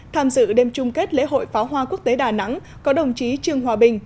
tham dự đêm chung kết lễ hội pháo hoa quốc tế đà nẵng có đồng chí trương hòa bình